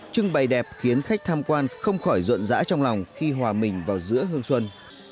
trưng bày đẹp khiến khách tham quan không khỏi rộn rã trong lòng khi hòa mình vào giữa hương xuân